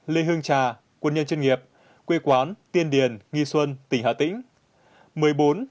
một mươi ba lê hương trà quân nhân chuyên nghiệp quê quán tiên điền nghi xuân tỉnh hà tĩnh